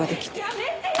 やめてよ！